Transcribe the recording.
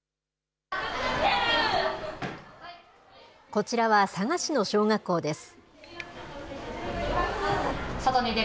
こちらは佐賀市の小学校です。